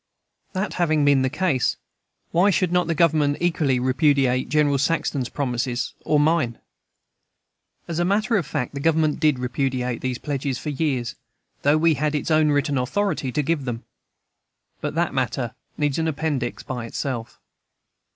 That having been the case, why should not the Government equally repudiate General Saxton's promises or mine? As a matter of fact, the Government did repudiate these pledges for years, though we had its own written authority to give them. But that matter needs an appendix by itself.